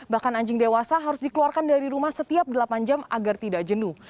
bahkan anjing dewasa harus dikeluarkan dari rumah setiap delapan jam agar tidak jenuh